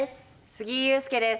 杉井勇介です。